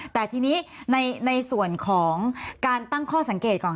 แต่ทีนี้ในส่วนของการตั้งข้อสังเกตของ